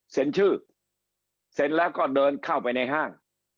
เซ็นชื่อเสร็จแล้วก็เดินเข้าไปในห้าง